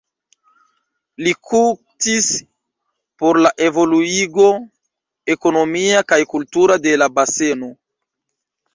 Li luktis por la evoluigo ekonomia kaj kultura de la baseno.